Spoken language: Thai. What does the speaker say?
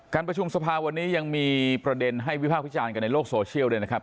ประชุมสภาวันนี้ยังมีประเด็นให้วิภาควิจารณ์กันในโลกโซเชียลด้วยนะครับ